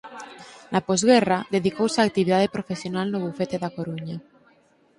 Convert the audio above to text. Na posguerra dedicouse á actividade profesional no bufete da Coruña.